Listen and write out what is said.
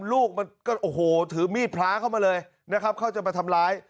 ลูกมันก็โอ้โหถือมีดพระเข้ามาเลยนะครับเขาจะมาทำร้าย